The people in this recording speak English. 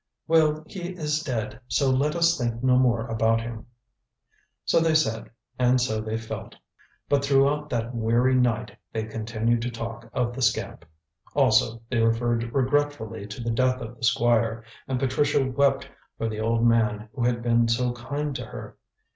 "Well, he is dead, so let us think no more about him." So they said and so they felt, but throughout that weary night they continued to talk of the scamp. Also they referred regretfully to the death of the Squire, and Patricia wept for the old man who had been so kind to her.